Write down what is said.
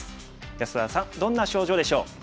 安田さんどんな症状でしょう？